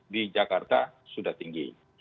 di jakarta sudah tinggi